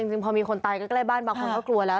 เอาจริงพอมีคนตายแล้วบ้านมันก็กลัวแล้ว